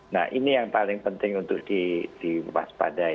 nah ini yang paling penting untuk diwaspadai